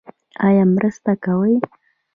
ایا مرسته کوئ؟